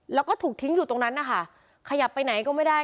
แล้วก็ถูกทิ้งอยู่ตรงนั้นนะคะขยับไปไหนก็ไม่ได้